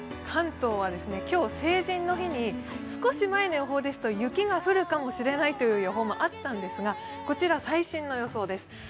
関東は今日、成人の日に少し前の予報ですと雪が降るかもしれないという予報もあったんですが、こちら、最新の予想です。